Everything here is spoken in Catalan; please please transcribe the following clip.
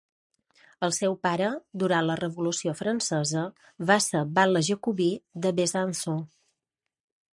El seu pare, durant la Revolució francesa, va ser batlle jacobí de Besançon.